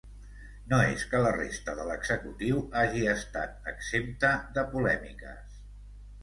No és que la resta de l’executiu hagi estat exempta de polèmiques.